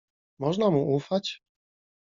"Można mu ufać?"